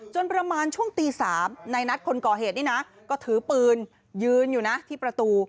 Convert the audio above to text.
ประมาณช่วงตี๓ในนัดคนก่อเหตุนี่นะก็ถือปืนยืนอยู่นะที่ประตู